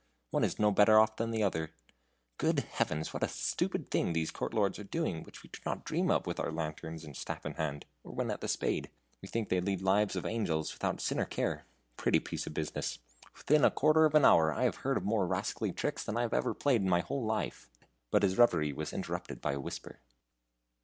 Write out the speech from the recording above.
One is no better off than the other. Good heavens! what stupid things these court lords are doing which we do not dream of with our lanterns and staff in hand, or when at the spade. We think they lead the lives of angels, without sin or care. Pretty piece of business! Within a quarter of an hour I have heard of more rascally tricks than I ever played in my whole life. And " but his reverie was interrupted by a whisper.